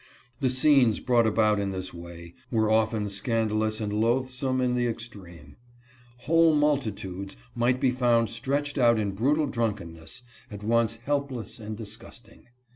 The scenes brought about in this way were often scandalous and loathsome in the extreme. Whole multitudes might be found stretched out in brutal drunkenness, at once helpless and disgust ing.